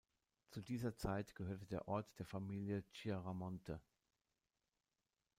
Zu dieser Zeit gehörte der Ort der Familie Chiaramonte.